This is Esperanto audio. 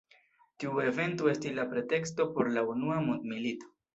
Tiu evento estis la preteksto por la Unua mondmilito.